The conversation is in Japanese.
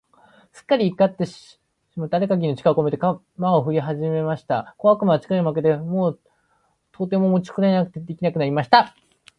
すっかり怒ってしまってある限りの力をこめて、鎌をふりはじました。小悪魔は力負けして、もうとても持ちこたえることが出来なくなりました。